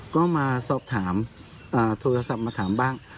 ก็มาสอบถามโทรศัพท์มาถามบ้าง